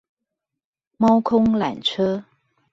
貓空纜車